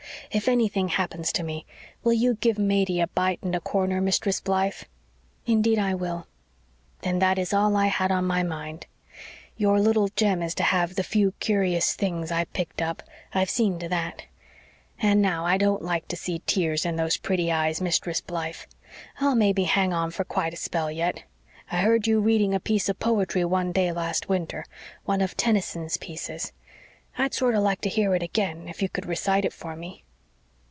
If anything happens to me will you give Matey a bite and a corner, Mistress Blythe?" "Indeed I will." "Then that is all I had on my mind. Your Little Jem is to have the few curious things I picked up I've seen to that. And now I don't like to see tears in those pretty eyes, Mistress Blythe. I'll mebbe hang on for quite a spell yet. I heard you reading a piece of poetry one day last winter one of Tennyson's pieces. I'd sorter like to hear it again, if you could recite it for me."